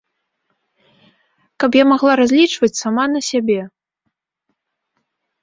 Каб я магла разлічваць сама на сябе!